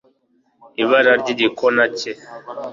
Ibara ryigikona cye